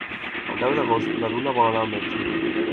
El deu d'agost na Duna vol anar al metge.